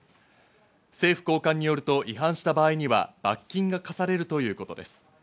政府高官によると違反した場合には罰金が科されるということです。